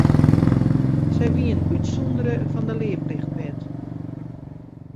Sy wienen útsûndere fan de learplichtwet.